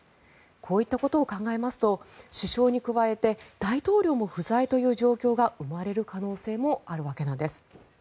こういったことを考えますと首相に加えて大統領も不在という状況が生まれる可能性もあるわけなんです。